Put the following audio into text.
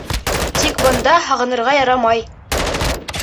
Тик бында һағынырға ярамай.